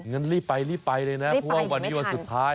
งั้นรีบไปรีบไปเลยนะเพราะว่าวันนี้วันสุดท้าย